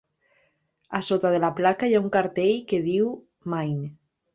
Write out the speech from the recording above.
A sota de la placa hi ha un cartell que diu "Maine".